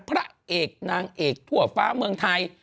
พระเอกนางเอกทั่วฟ้าเมืองไทย